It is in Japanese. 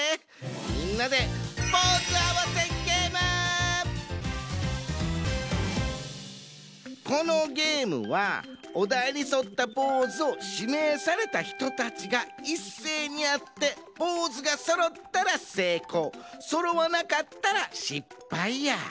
みんなでこのゲームはおだいにそったポーズをしめいされたひとたちがいっせいにやってポーズがそろったらせいこうそろわなかったらしっぱいや。